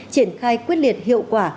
triển khai quyết liệt hiệu quả